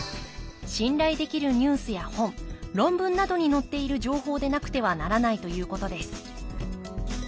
信頼できるニュースや本論文などに載っている情報でなくてはならないということです